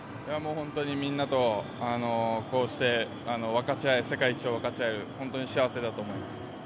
本当にみんなとこうして世界一を分かち合える本当に幸せだと思います。